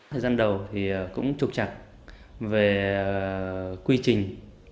thời gian đầu thì cũng trục chặt về quy trình